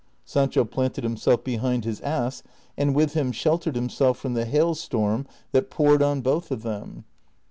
Sancho planted himself behind his ass, and with him sheltered him self from the hailstorm that poured on both of them.